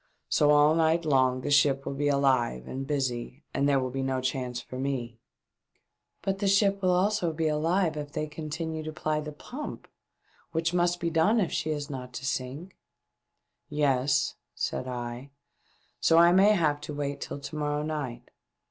So all night long the ship will be alive and busy, and there will be no chance for me," WE BRING UP IN A BAY. 457 " But the ship will also be alive if they continue to ply the pump, which must be clone if she is not to sink." "Yes," said I, "so I may have to wait till to morrow night."